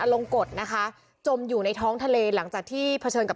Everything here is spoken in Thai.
ลงกฎนะคะจมอยู่ในท้องทะเลหลังจากที่เผชิญกับ